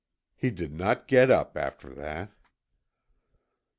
He did not get up after that.